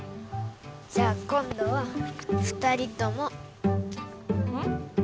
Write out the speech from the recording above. じゃあ今度は２人ともうんっ？